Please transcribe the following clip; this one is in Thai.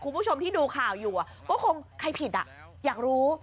คุณผู้ชมที่ดูข่าวอยู่ก็คงใครผิดอยากรู้